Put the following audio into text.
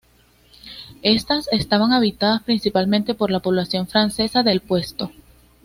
Estas estaban habitadas principalmente por la población francesa del puesto.